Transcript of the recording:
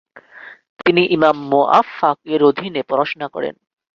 তিনি ইমাম মোআফ্ফাক-এর অধীনে পড়াশোনা করেন।